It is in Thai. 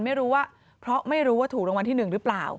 ไม่รู้ว่าถูกรางวัลที่๑หรือเปล่า